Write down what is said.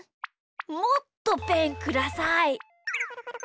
もっとペンください。